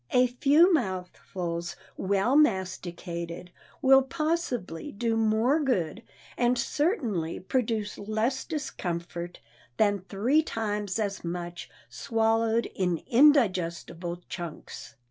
A few mouthfuls, well masticated, will possibly do more good, and certainly produce less discomfort, than three times as much swallowed in indigestible chunks.